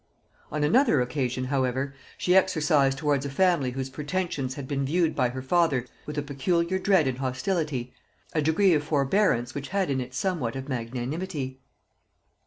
On another occasion, however, she exercised towards a family whose pretensions had been viewed by her father with peculiar dread and hostility, a degree of forbearance which had in it somewhat of magnanimity.